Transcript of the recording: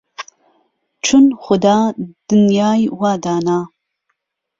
چون خودا دنیای وا دانا